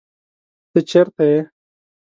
ته چرته یې؟